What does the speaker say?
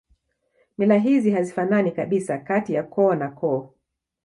Mila hizi hazifanani kabisa kati ya koo na koo